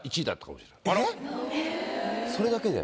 それだけで？